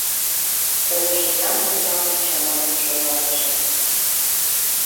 Колышо янлык-влакым чаманен шоналтышым.